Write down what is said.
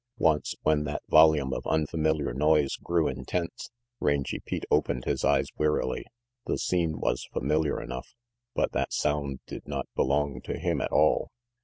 Once, when that volume of unfamiliar noise grew intense, Rangy Pete opened his eyes wearily. The scene was familiar enough, but that sound did not belong to him at all.